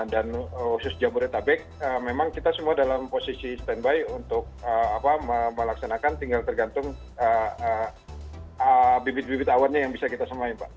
dan khusus jabodetabek memang kita semua dalam posisi standby untuk melaksanakan tinggal tergantung bibit bibit awannya yang bisa kita semain pak